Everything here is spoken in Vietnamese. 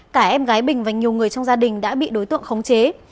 cả em gái bình và nhiều người trong gia đình đã bị đối tượng khống chế